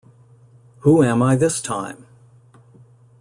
Who Am I This Time?